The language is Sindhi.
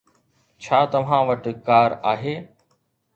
ڇا توهان وٽ ڪار آهي